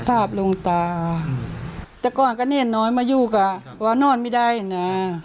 ภาพลงตาอืมแต่ก่อนก็เน่นน้อยมาอยู่ก่อนว่านอนไม่ได้นะ